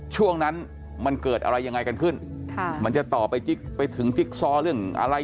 ช่วงนั้นมันเกิดอะไรยังไงกันขึ้นค่ะมันจะต่อไปจิ๊กไปถึงจิ๊กซอเรื่องอะไร